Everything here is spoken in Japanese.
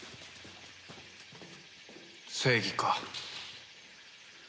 正義か。